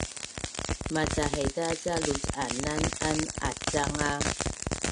Maca haiza ca luc’anan an acang a